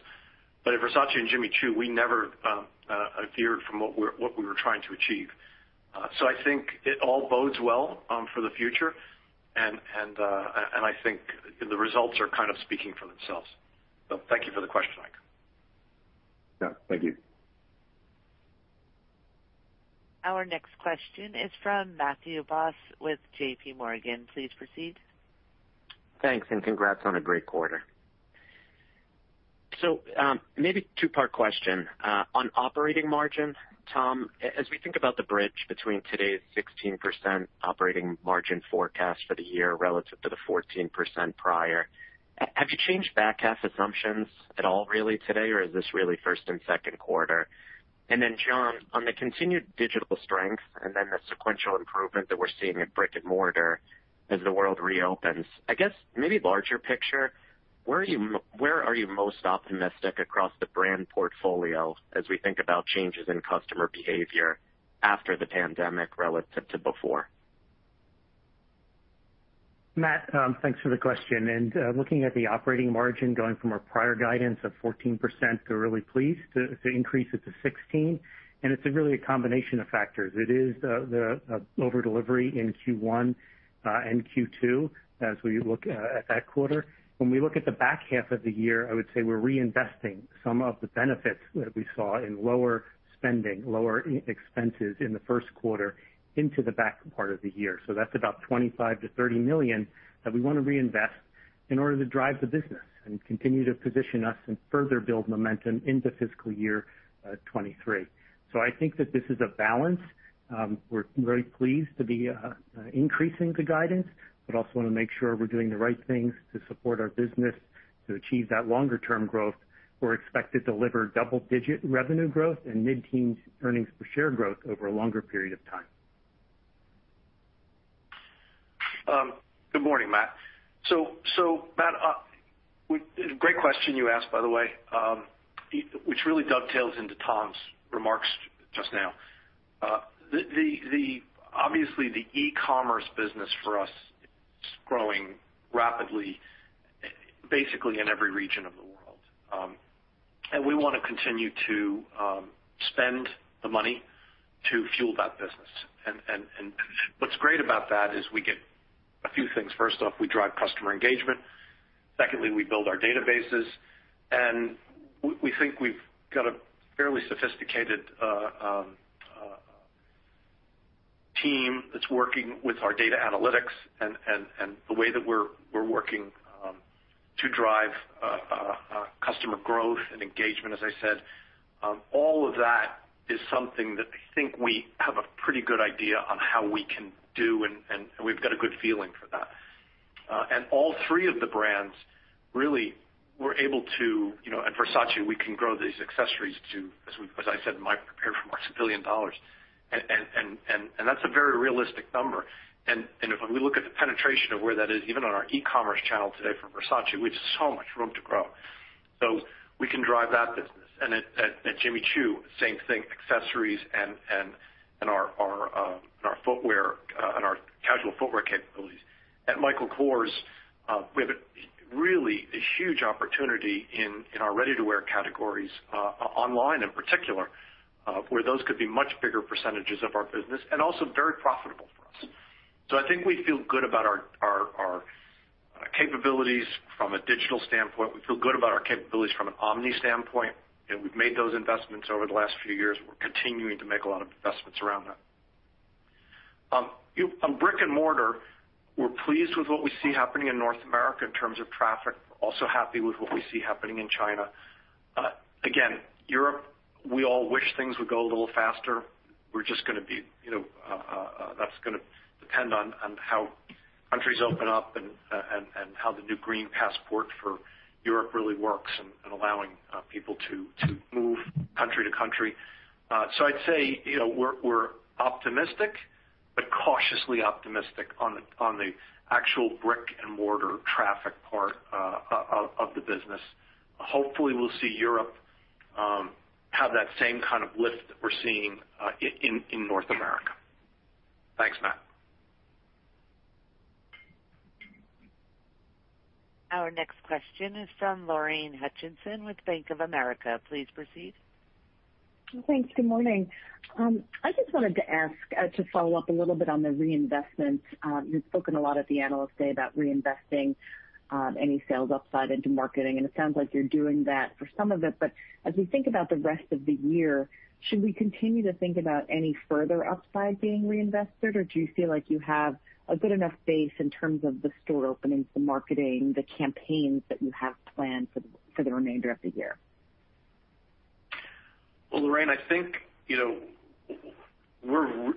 At Versace and Jimmy Choo, we never veered from what we were trying to achieve. I think it all bodes well for the future, and I think the results are speaking for themselves. Thank you for the question, Ike. Yeah. Thank you. Our next question is from Matthew Boss with JPMorgan. Please proceed. Thanks, congrats on a great quarter. Maybe a two-part question. On operating margin, Tom, as we think about the bridge between today's 16% operating margin forecast for the year relative to the 14% prior, have you changed back half assumptions at all really today, or is this really first and second quarter? John, on the continued digital strength and then the sequential improvement that we're seeing in brick and mortar as the world reopens, I guess maybe larger picture, where are you most optimistic across the brand portfolio as we think about changes in customer behavior after the pandemic relative to before? Matt, thanks for the question. Looking at the operating margin going from our prior guidance of 14%, we're really pleased to increase it to 16%. It's really a combination of factors. It is the over-delivery in Q1 and Q2 as we look at that quarter. When we look at the back half of the year, I would say we're reinvesting some of the benefits that we saw in lower spending, lower expenses in the first quarter into the back part of the year. That's about $25 million-$30 million that we want to reinvest In order to drive the business and continue to position us and further build momentum into fiscal year 2023. I think that this is a balance. We're very pleased to be increasing the guidance, but also want to make sure we're doing the right things to support our business to achieve that longer term growth. We're expected to deliver double-digit revenue growth and mid-teens earnings per share growth over a longer period of time. Good morning, Matt. Matt, great question you asked, by the way, which really dovetails into Tom's remarks just now. Obviously, the e-commerce business for us is growing rapidly, basically in every region of the world. We want to continue to spend the money to fuel that business. What's great about that is we get a few things. First off, we drive customer engagement. Secondly, we build our databases, and we think we've got a fairly sophisticated team that's working with our data analytics and the way that we're working to drive customer growth and engagement, as I said. All of that is something that I think we have a pretty good idea on how we can do, and we've got a good feeling for that. All three of the brands really were able to at Versace, we can grow these accessories to, as I said in my prepared remarks, $1 billion. That's a very realistic number. If we look at the penetration of where that is, even on our e-commerce channel today for Versace, we have so much room to grow. We can drive that business. At Jimmy Choo, same thing, accessories and our casual footwear capabilities. At Michael Kors, we have really a huge opportunity in our ready-to-wear categories, online in particular, where those could be much bigger percentages of our business and also very profitable for us. I think we feel good about our capabilities from a digital standpoint. We feel good about our capabilities from an omni standpoint, and we've made those investments over the last few years, and we're continuing to make a lot of investments around that. On brick and mortar, we're pleased with what we see happening in North America in terms of traffic. Also happy with what we see happening in China. Europe, we all wish things would go a little faster. That's going to depend on how countries open up and how the new green passport for Europe really works and allowing people to move country to country. I'd say, we're optimistic, but cautiously optimistic on the actual brick and mortar traffic part of the business. Hopefully, we'll see Europe have that same kind of lift that we're seeing in North America. Thanks, Matt. Our next question is from Lorraine Hutchinson with Bank of America. Please proceed. Thanks. Good morning. I just wanted to ask to follow up a little bit on the reinvestment. You've spoken a lot at the Analyst Day about reinvesting any sales upside into marketing, and it sounds like you're doing that for some of it. As we think about the rest of the year, should we continue to think about any further upside being reinvested, or do you feel like you have a good enough base in terms of the store openings, the marketing, the campaigns that you have planned for the remainder of the year? Well, Lorraine, I think, we're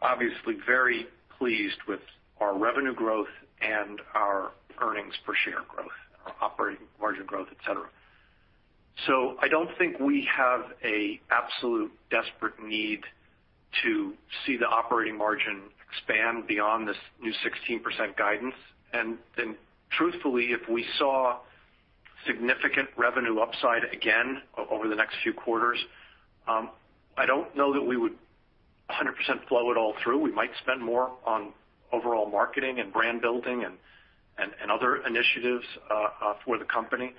obviously very pleased with our revenue growth and our earnings per share growth, our operating margin growth, et cetera. I don't think we have a absolute desperate need to see the operating margin expand beyond this new 16% guidance. Truthfully, if we saw significant revenue upside again over the next few quarters, I don't know that we would 100% flow it all through. We might spend more on overall marketing and brand building and other initiatives for the company.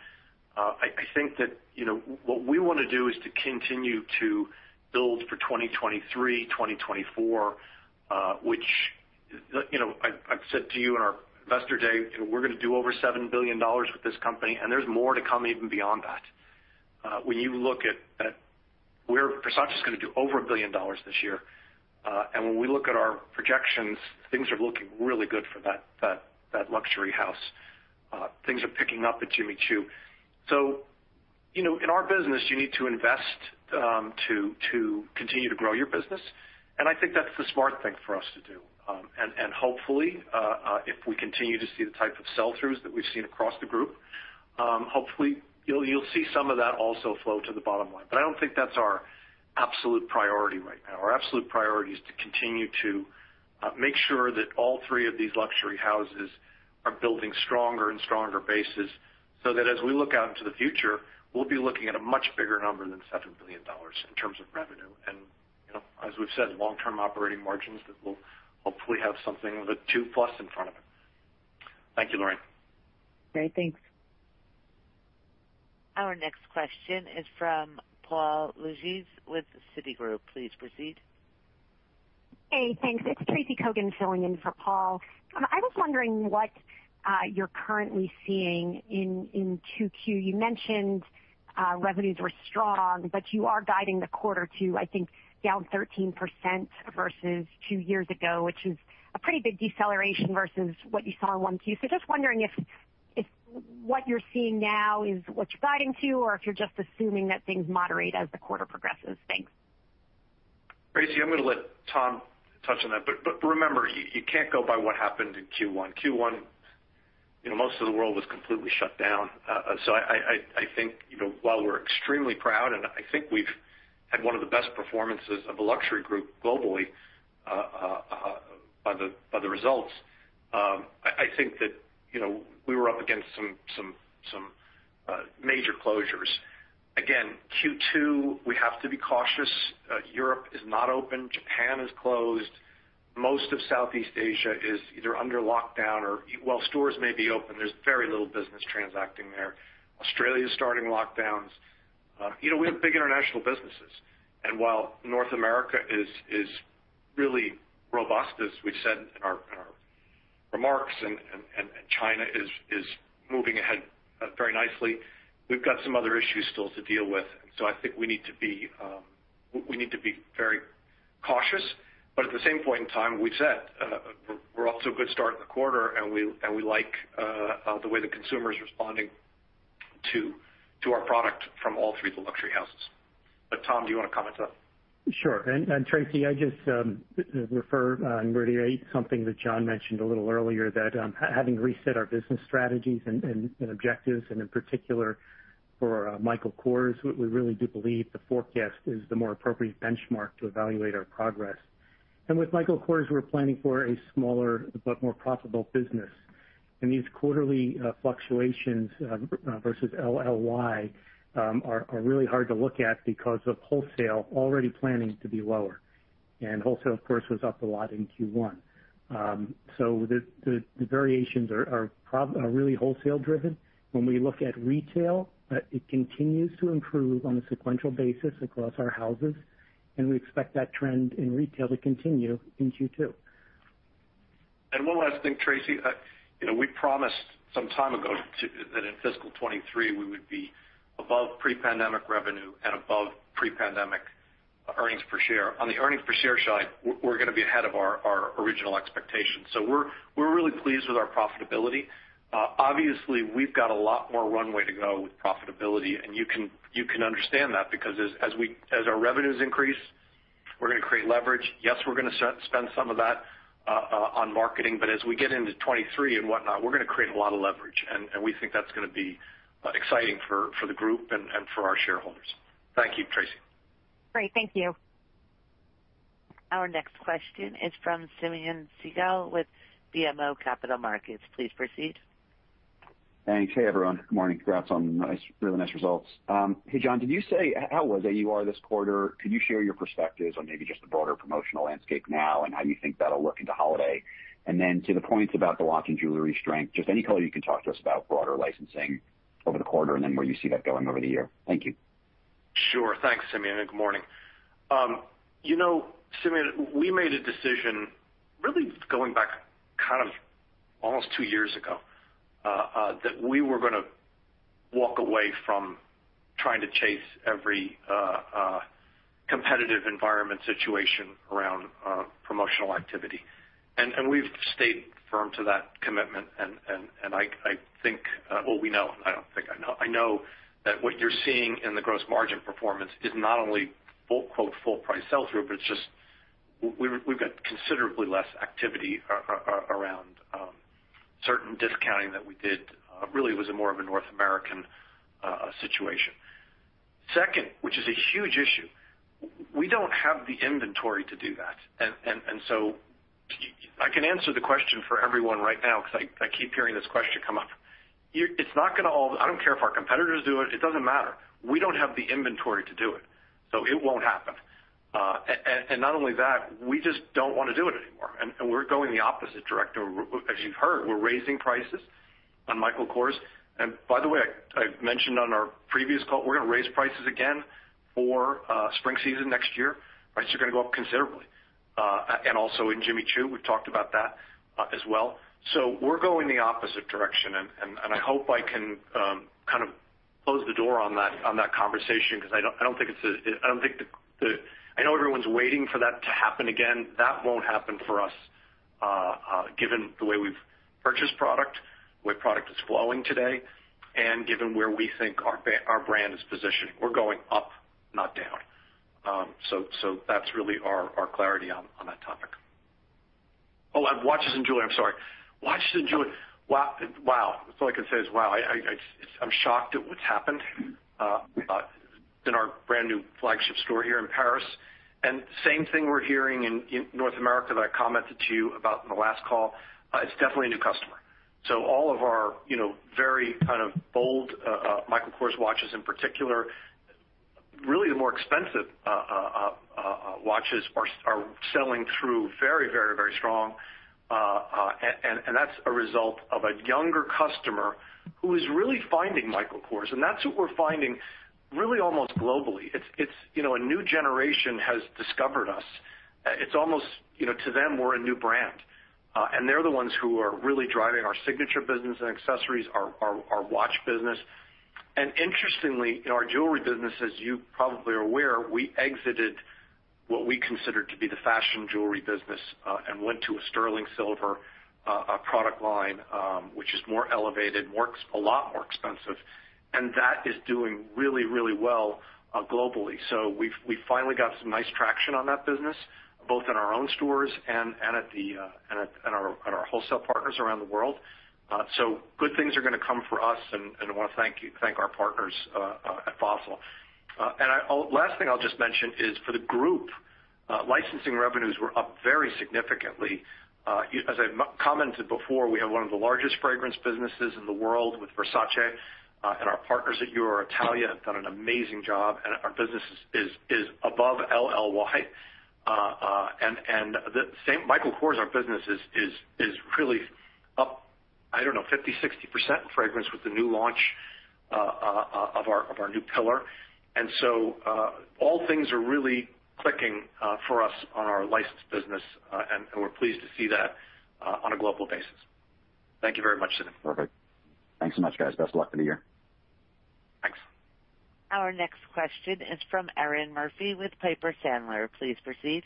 I think that what we want to do is to continue to build for 2023, 2024, which I've said to you in our Investor Day, we're going to do over $7 billion with this company, and there's more to come even beyond that. When you look at where Versace is going to do over $1 billion this year, when we look at our projections, things are looking really good for that luxury house. Things are picking up at Jimmy Choo. In our business, you need to invest to continue to grow your business, I think that's the smart thing for us to do. Hopefully, if we continue to see the type of sell-throughs that we've seen across the group, hopefully you'll see some of that also flow to the bottom line. I don't think that's our absolute priority right now. Our absolute priority is to continue to make sure that all three of these luxury houses are building stronger and stronger bases, so that as we look out into the future, we'll be looking at a much bigger number than $7 billion in terms of revenue. As we've said, long-term operating margins that will hopefully have something of a $2+ biilion in front of it. Thank you, Lorraine. Great. Thanks. Our next question is from Paul Lejuez with Citigroup. Please proceed. Hey, thanks. It's Tracy Kogan filling in for Paul. I was wondering what you're currently seeing in 2Q. You mentioned revenues were strong, you are guiding the quarter to, I think, down 13% versus two years ago, which is a pretty big deceleration versus what you saw in 1Q. Just wondering if what you're seeing now is what you're guiding to, or if you're just assuming that things moderate as the quarter progresses. Thanks. Tracy, I'm going to let Tom touch on that. Remember, you can't go by what happened in Q1. Q1, most of the world was completely shut down. I think while we're extremely proud, and I think we've had one of the best performances of a luxury group globally, by the results, I think that we were up against some major closures. Again, Q2, we have to be cautious. Europe is not open. Japan is closed. Most of Southeast Asia is either under lockdown or while stores may be open, there's very little business transacting there. Australia is starting lockdowns. We have big international businesses, and while North America is really robust, as we've said in our remarks, and China is moving ahead very nicely, we've got some other issues still to deal with. I think we need to be very cautious. At the same point in time, we've said we're off to a good start in the quarter, and we like the way the consumer is responding to our product from all three of the luxury houses. Tom, do you want to comment on that? Sure. Tracy, I just refer and reiterate something that John mentioned a little earlier, that having reset our business strategies and objectives, in particular for Michael Kors, we really do believe the forecast is the more appropriate benchmark to evaluate our progress. With Michael Kors, we're planning for a smaller but more profitable business. These quarterly fluctuations versus LLY are really hard to look at because of wholesale already planning to be lower. Wholesale, of course, was up a lot in Q1. The variations are really wholesale driven. When we look at retail, it continues to improve on a sequential basis across our houses, and we expect that trend in retail to continue in Q2. One last thing, Tracy. We promised some time ago that in fiscal 2023, we would be above pre-pandemic revenue and above pre-pandemic earnings per share. On the earnings per share side, we're going to be ahead of our original expectations. We're really pleased with our profitability. Obviously, we've got a lot more runway to go with profitability, and you can understand that because as our revenues increase, we're going to create leverage. Yes, we're going to spend some of that on marketing, but as we get into 2023 and whatnot, we're going to create a lot of leverage, and we think that's going to be exciting for the group and for our shareholders. Thank you, Tracy. Great. Thank you. Our next question is from Simeon Siegel with BMO Capital Markets. Please proceed. Thanks. Hey, everyone. Good morning. Congrats on really nice results. Hey, John, did you say how was AUR this quarter? Could you share your perspectives on maybe just the broader promotional landscape now and how you think that'll look into holiday? To the points about the watch and jewelry strength, just any color you can talk to us about broader licensing over the quarter and then where you see that going over the year. Thank you. Sure. Thanks, Simeon, good morning. Simeon, we made a decision really going back almost two years ago, that we were going to walk away from trying to chase every competitive environment situation around promotional activity. We've stayed firm to that commitment, and I know that what you're seeing in the gross margin performance is not only "full price sell-through," but it's just we've got considerably less activity around certain discounting that we did. Really, it was more of a North American situation. Second, which is a huge issue, we don't have the inventory to do that. I can answer the question for everyone right now because I keep hearing this question come up. I don't care if our competitors do it. It doesn't matter. We don't have the inventory to do it, so it won't happen. Not only that, we just don't want to do it anymore. We're going the opposite direction. As you've heard, we're raising prices on Michael Kors. By the way, I mentioned on our previous call, we're going to raise prices again for spring season next year. Prices are going to go up considerably. Also in Jimmy Choo, we've talked about that as well. We're going the opposite direction, and I hope I can close the door on that conversation because I know everyone's waiting for that to happen again. That won't happen for us given the way we've purchased product, the way product is flowing today, and given where we think our brand is positioned. We're going up, not down. That's really our clarity on that topic. Oh, on watches and jewelry. I'm sorry. Watches and jewelry. Wow. That's all I can say is wow. I'm shocked at what's happened in our brand-new flagship store here in Paris. Same thing we're hearing in North America that I commented to you about in the last call. It's definitely a new customer. All of our very bold Michael Kors watches in particular, really the more expensive watches are selling through very strong. That's a result of a younger customer who is really finding Michael Kors, and that's what we're finding really almost globally. A new generation has discovered us. It's almost to them, we're a new brand. They're the ones who are really driving our signature business and accessories, our watch business. Interestingly, in our jewelry business, as you probably are aware, we exited what we considered to be the fashion jewelry business and went to a sterling silver product line, which is more elevated, a lot more expensive. That is doing really, really well globally. We finally got some nice traction on that business, both in our own stores and at our wholesale partners around the world. Good things are going to come for us, and I want to thank our partners at Fossil. Last thing I'll just mention is for the group, licensing revenues were up very significantly. As I commented before, we have one of the largest fragrance businesses in the world with Versace, and our partners at EuroItalia have done an amazing job, and our business is above LLY. The Michael Kors business is really up, I don't know, 50%, 60% in fragrance with the new launch of our new pillar. All things are really clicking for us on our licensed business, and we're pleased to see that on a global basis. Thank you very much, Simeon. Perfect. Thanks so much, guys. Best of luck for the year. Thanks. Our next question is from Erinn Murphy with Piper Sandler. Please proceed.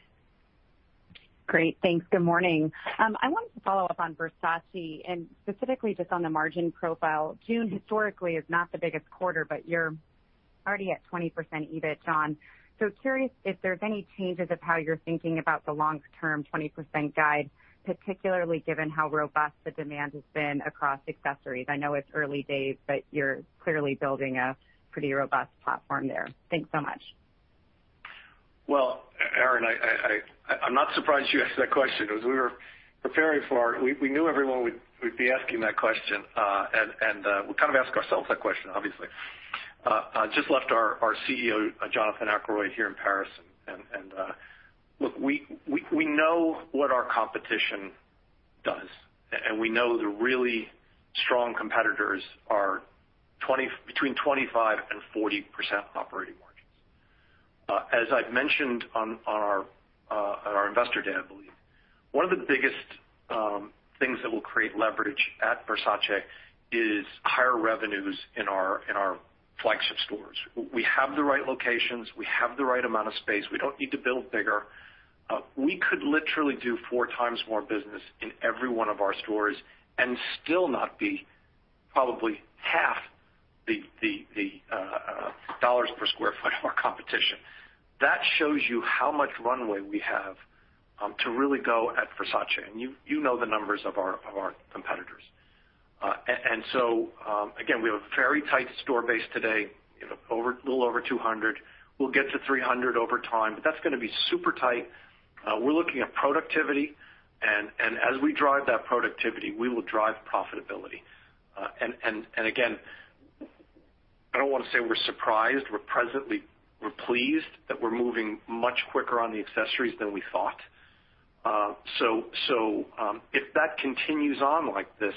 Great. Thanks. Good morning. I wanted to follow up on Versace and specifically just on the margin profile. June historically is not the biggest quarter, but you're already at 20% EBIT. Curious if there's any changes of how you're thinking about the long-term 20% guide, particularly given how robust the demand has been across accessories. I know it's early days, but you're clearly building a pretty robust platform there. Thanks so much. Well, Erinn, I'm not surprised you asked that question because as we were preparing for it, we knew everyone would be asking that question. We kind of ask ourselves that question, obviously. I just left our CEO, Jonathan Akeroyd, here in Paris. Look, we know what our competition does, and we know the really strong competitors are between 25% and 40% operating margins. As I've mentioned on our Investor Day, I believe, one of the biggest things that will create leverage at Versace is higher revenues in our flagship stores. We have the right locations. We have the right amount of space. We don't need to build bigger. We could literally do four times more business in every one of our stores and still not be probably half the dollars per square foot of our competition. That shows you how much runway we have to really go at Versace, you know the numbers of our competitors. Again, we have a very tight store base today, a little over 200. We'll get to 300 over time, that's going to be super tight. We're looking at productivity, as we drive that productivity, we will drive profitability. Again, I don't want to say we're surprised. We're pleased that we're moving much quicker on the accessories than we thought. If that continues on like this,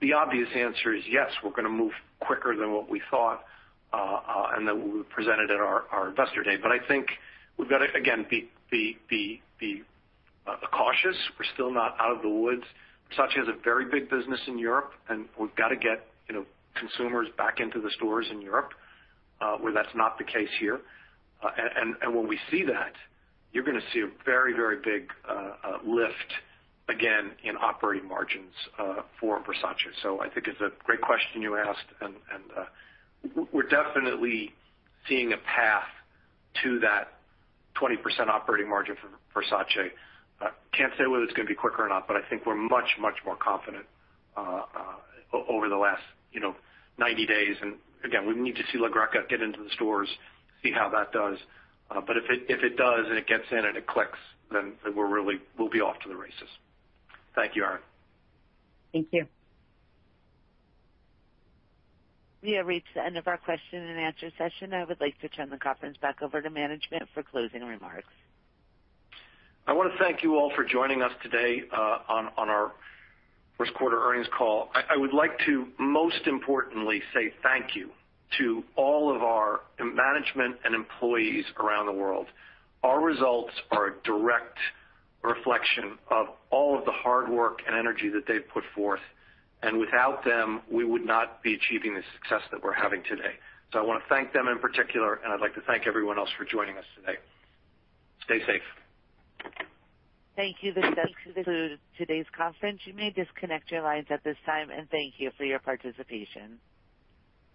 the obvious answer is yes, we're going to move quicker than what we thought and that we presented at our Investor Day. I think we've got to, again, be cautious. We're still not out of the woods. Versace has a very big business in Europe, and we've got to get consumers back into the stores in Europe, where that's not the case here. When we see that, you're going to see a very, very big lift again in operating margins for Versace. I think it's a great question you asked, and we're definitely seeing a path to that 20% operating margin for Versace. Can't say whether it's going to be quicker or not, but I think we're much, much more confident over the last 90 days. Again, we need to see La Greca get into the stores, see how that does. If it does and it gets in and it clicks, then we'll be off to the races. Thank you, Erinn. Thank you. We have reached the end of our question and answer session. I would like to turn the conference back over to management for closing remarks. I want to thank you all for joining us today on our first quarter earnings call. I would like to most importantly say thank you to all of our management and employees around the world. Our results are a direct reflection of all of the hard work and energy that they've put forth, and without them, we would not be achieving the success that we're having today. I want to thank them in particular, and I'd like to thank everyone else for joining us today. Stay safe. Thank you. This does conclude today's conference. You may disconnect your lines at this time, and thank you for your participation.